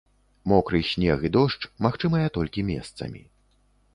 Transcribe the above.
Мокры снег і дождж магчымыя толькі месцамі.